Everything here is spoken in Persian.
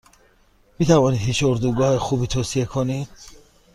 میتوانید هیچ اردوگاه خوبی توصیه کنید؟